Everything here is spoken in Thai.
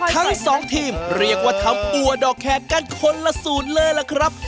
ทั้งสองทีมเรียกว่าทำปัวดอกแขกกันคนละสูตรเลยล่ะครับ